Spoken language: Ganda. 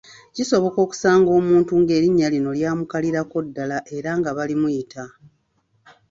Kisoboka okusanga omuntu ng’erinnya lino lyamukalirako ddala era nga balimuyita.